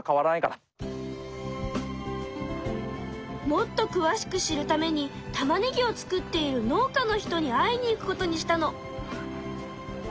もっと詳しく知るためにたまねぎを作っている農家の人に会いに行くことにしたの。